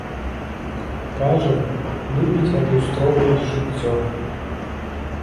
Кажа, любіць адлюстроўваць жыццё.